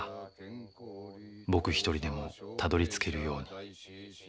僕一人でもたどりつけるように。